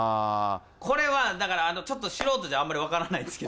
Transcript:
これはだから、ちょっと素人ではあまり分からないですけど。